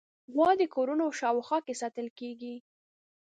غوا د کورونو شاوخوا کې ساتل کېږي.